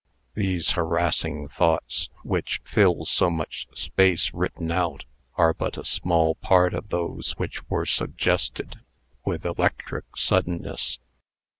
These harassing thoughts, which fill so much space, written out, are but a small part of those which were suggested with electric suddenness.